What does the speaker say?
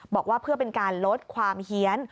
บอกว่าเพื่อเป็นการลดความเฮียน